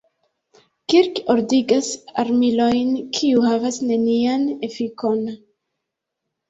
Kirk ordigas armilojn, kiu havas nenian efikon.